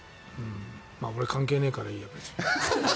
俺、関係ないからいいや別に。